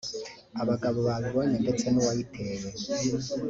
abagabo babibonye ndetse n’uwayiteye